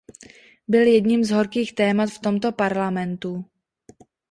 Byly jedním z horkých témat v tomto Parlamentu.